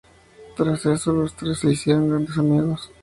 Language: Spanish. Tras eso, los tres se hicieron grandes amigos.